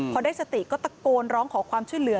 พอได้สติก็ตะโกนร้องขอความช่วยเหลือ